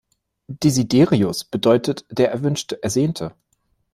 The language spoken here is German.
Desiderius bedeutet der Erwünschte, Ersehnte.